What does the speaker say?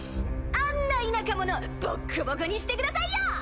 あんな田舎者ボッコボコにしてくださいよ！